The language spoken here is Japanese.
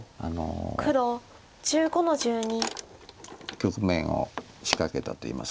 局面を仕掛けたといいますか。